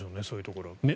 そういうところ。